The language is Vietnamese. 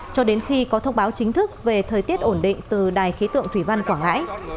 cho đến khi có thông báo chính thức về thời tiết ổn định từ đài khí tượng thủy văn quảng ngãi